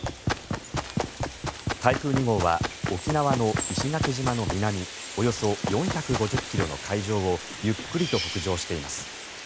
台風２号は沖縄の石垣島の南およそ４５０ｋｍの海上をゆっくりと北上しています。